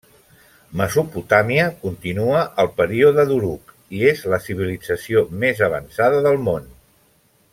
Mesopotàmia continua al Període d'Uruk i és la civilització més avançada del món.